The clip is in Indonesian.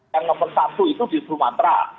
yang nomor satu itu di sumatera